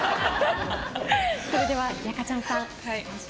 それでは、やかちゃんさん。